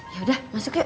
yaudah masuk yuk